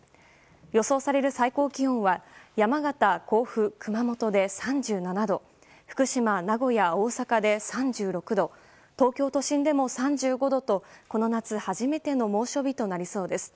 予想される最高気温は山形、甲府、熊本で３７度福島、名古屋、大阪で３６度東京都心でも３５度とこの夏初めての猛暑日となりそうです。